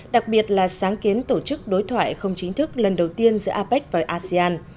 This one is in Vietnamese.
đặc biệt là sáng kiến tổ chức đối thoại không chính thức lần đầu tiên giữa apec và asean